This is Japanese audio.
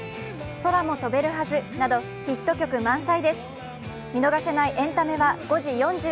「空も飛べるはず」などヒット曲満載です。